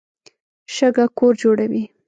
شګه کور جوړوي.